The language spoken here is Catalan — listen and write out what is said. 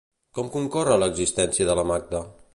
Com concorre l'existència de la Magda?